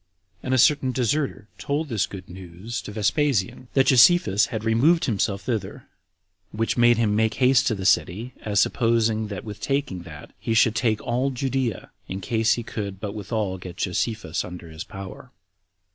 And a certain deserter told this good news to Vespasian, that Josephus had removed himself thither, which made him make haste to the city, as supposing that with taking that he should take all Judea, in case he could but withal get Josephus under his power.